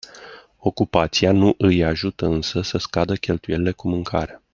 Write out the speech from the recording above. Ocupația nu îi ajută însă să scadă cheltuielile cu mâncarea.